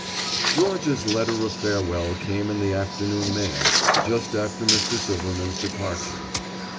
Georgia's letter of farewell came in the afternoon mail, just after Mr. Silverman's departure.